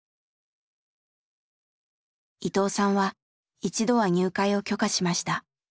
伊藤さんは一度は入会を許可しました。